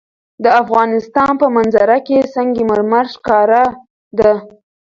د افغانستان په منظره کې سنگ مرمر ښکاره ده.